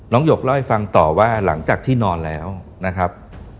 หยกเล่าให้ฟังต่อว่าหลังจากที่นอนแล้วนะครับ